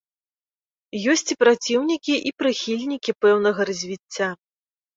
Ёсць і праціўнікі і прыхільнікі пэўнага развіцця.